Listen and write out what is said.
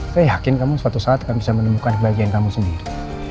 saya yakin kamu suatu saat kamu bisa menemukan kebahagiaan kamu sendiri